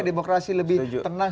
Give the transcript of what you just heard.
demokrasi lebih tenang